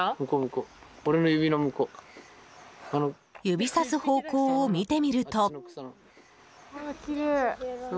指さす方向を見てみると。